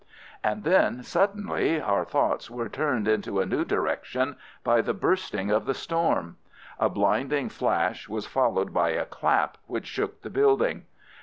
And then suddenly our thoughts were turned into a new direction by the bursting of the storm. A blinding flash was followed by a clap which shook the building.